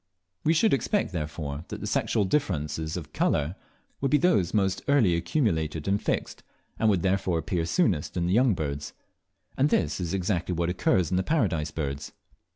We should expect, therefore, that the sexual differences of colour would be those most early accumulated and fixed, and would therefore appear soonest in the young birds; and this is exactly what occurs in the Paradise Birds.